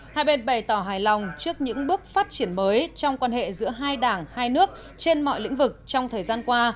hai bên bày tỏ hài lòng trước những bước phát triển mới trong quan hệ giữa hai đảng hai nước trên mọi lĩnh vực trong thời gian qua